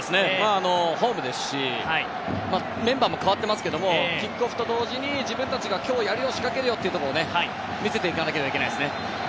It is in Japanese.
ホームですし、メンバーもかわっていますけども、キックオフと同時に自分たちが今日やるよ、仕掛けるよというところを見せていかないといけないですね。